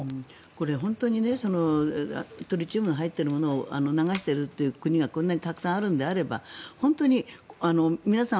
これ、本当にトリチウムが入っているものを流しているという国がこんなにたくさんあるのであれば本当に皆さん